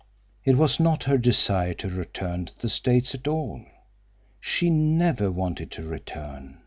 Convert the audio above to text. It was not her desire to return to the States at all. She never wanted to return.